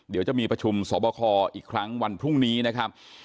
เดี๋ยวจะมีประชุมสอบคออีกครั้งวันพรุ่งนี้นะครับ